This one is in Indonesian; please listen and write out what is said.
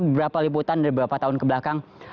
beberapa liputan dari beberapa tahun kebelakang